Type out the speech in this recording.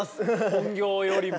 本業よりも。